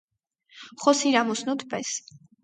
Խոսիր ամուսնուդ պես։